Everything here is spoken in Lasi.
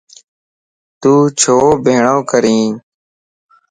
تو ڇو ٻيھڻو ڪرين؟